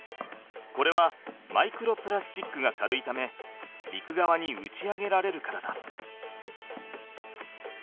これはマイクロプラスチックが軽いため陸側に打ち上げられるからだ。